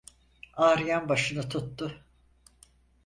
Ağrıyan başını tuttu...